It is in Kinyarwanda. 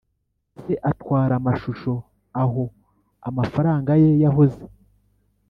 “se atwara amashusho aho amafaranga ye yahoze.